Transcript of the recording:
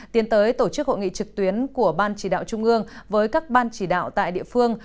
tiến tới tổ chức hội nghị trực tuyến của ban chỉ đạo trung ương với các ban chỉ đạo tại địa phương